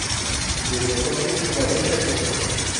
Desde entonces, la brecha creció.